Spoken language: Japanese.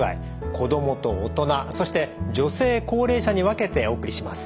子どもと大人そして女性高齢者に分けてお送りします。